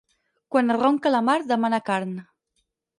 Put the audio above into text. Quan ronca la mar demana carn.